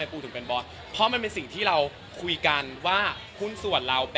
เพราะมันเป็นสิ่งที่เราคุยกันว่า